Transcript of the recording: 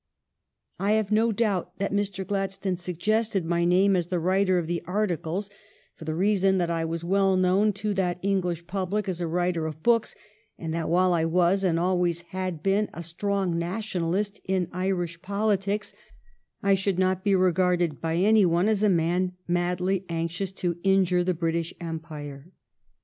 I have no doubt that Mr. Gladstone suggested my name as the writer of the articles for the reason that I was well known to that English public as a writer of books, and that while I was, and always had been, a strong Nationalist in Irish politics, I should not be regarded by any one as a man madly anxious to injure the British Empire.